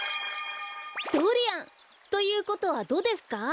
ドリアン！ということはドですか？